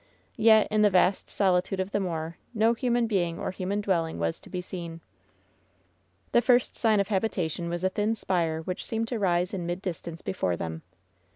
Yet in the vast solitude of the moor no human being or human dwelling was to be seen. The first sign of habitation was a thin spire which seemed to rise in mid distance before them.